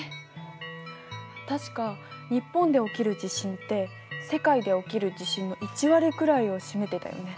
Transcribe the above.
確か日本で起きる地震って世界で起きる地震の１割くらいを占めてたよね。